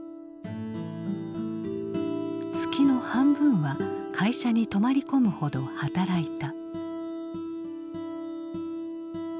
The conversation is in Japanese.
月の半分は会社に泊まり込むほど働いた。